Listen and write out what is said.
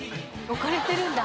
置かれてるんだ。